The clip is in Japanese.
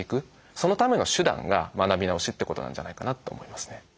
そのための手段が学び直しってことなんじゃないかなと思いますね。